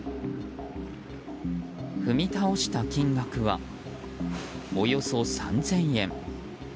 踏み倒した金額はおよそ３０００円。